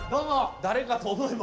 誰かと思えば。